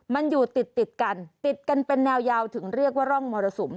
มันอยู่ติดติดกันติดกันเป็นแนวยาวถึงเรียกว่าร่องมรสุม